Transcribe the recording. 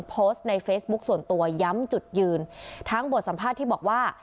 โพสต์ในเฟซบุ๊คส่วนตัวย้ำจุดยืนทั้งบทสัมภาษณ์ที่บอกว่า